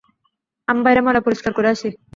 আমি বাইরে ময়লা পরিষ্কার করে আসি!